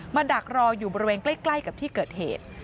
ดักรออยู่บริเวณใกล้กับที่เกิดเหตุ